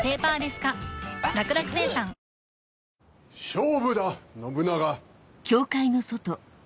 勝負だ信長。